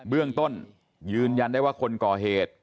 เบื้องต้นยืนยันได้ว่าคนก่อเหตุ